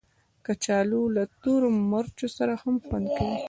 کچالو له تورو مرچو سره هم خوند کوي